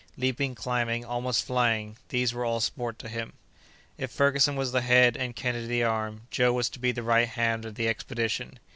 Leaping, climbing, almost flying—these were all sport to him. If Ferguson was the head and Kennedy the arm, Joe was to be the right hand of the expedition.